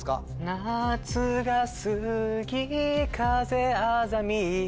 夏が過ぎ風あざみ